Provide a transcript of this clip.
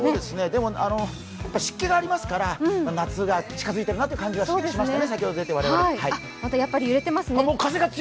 でも湿気がありますから夏が近づいてるなという感じはしましたね、我々。